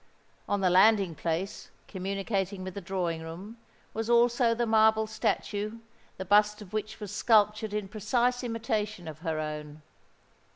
On the landing place, communicating with the drawing room, was also the marble statue, the bust of which was sculptured in precise imitation of her own.